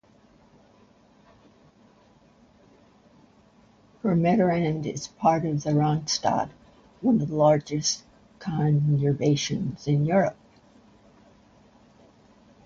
Purmerend is part of the Randstad, one of the largest conurbations in Europe.